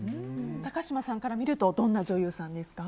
高嶋さんから見るとどんな女優さんですか？